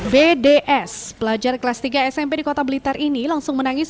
bds pelajar kelas tiga smp di kota blitar ini langsung menangis